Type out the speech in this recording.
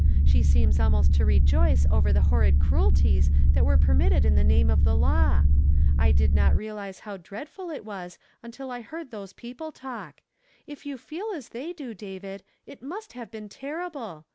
She seems almost to rejoice over the horrid cruelties tliat were permitted in the name of the law. I did not realize how dreadful it was until I l,eai d those people talk; if you feel as they do, David, it must have been terrible.